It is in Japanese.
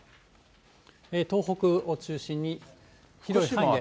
東北を中心に広い範囲で。